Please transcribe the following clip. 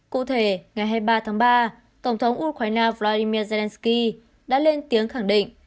cụ thể ngày hai mươi ba tháng ba tổng thống ukraine vladimir zelenskyy đã lên tiếng khẳng định